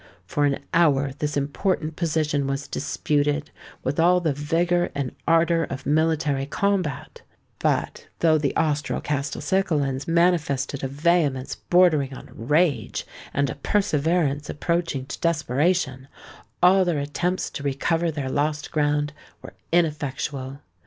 For an hour this important position was disputed with all the vigour and ardour of military combat; but, though the Austro Castelcicalans manifested a vehemence bordering on rage, and a perseverance approaching to desperation, all their attempts to recover their lost ground were ineffectual.